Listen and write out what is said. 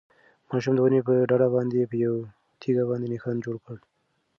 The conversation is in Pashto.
ماشوم د ونې په ډډ باندې په یوه تیږه باندې نښان جوړ کړ.